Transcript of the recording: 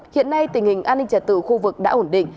hiện nay tình hình an ninh trật tự khu vực đã ổn định